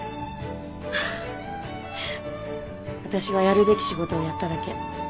私はやるべき仕事をやっただけ。